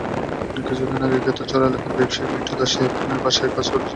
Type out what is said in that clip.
কিছুদিন আগে ক্ষেতচর এলাকার ব্যবসায়ী মিঠু দাশের বাসায় কাজ করেছিল তারা।